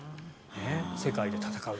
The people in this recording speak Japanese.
世界で戦う。